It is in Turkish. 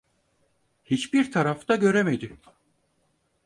Hiçbir tarafta göremedi.